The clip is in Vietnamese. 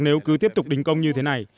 nếu cứ tiếp tục đình công như thế này